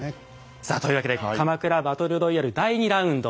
さあというわけで鎌倉バトルロイヤル第２ラウンド。